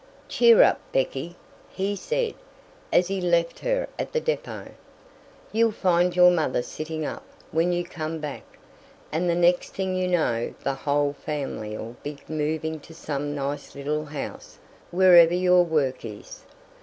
"Cheer up, Becky!" he said, as he left her at the depot. "You'll find your mother sitting up when you come back, and the next thing you know the whole family'll be moving to some nice little house wherever your work is.